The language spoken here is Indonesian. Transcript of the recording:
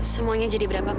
semuanya jadi berapa bu